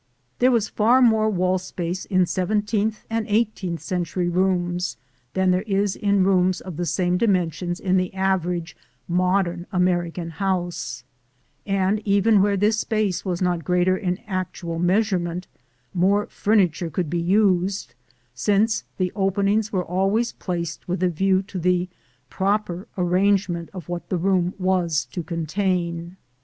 There was far more wall space in seventeenth and eighteenth century rooms than there is in rooms of the same dimensions in the average modern American house; and even where this space was not greater in actual measurement, more furniture could be used, since the openings were always placed with a view to the proper arrangement of what the room was to contain.